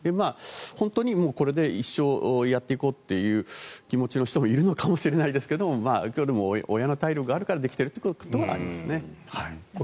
本当にこれで一生やっていこうという気持ちの人もいるのかもしれませんが親の体力があるからできているということはありますね。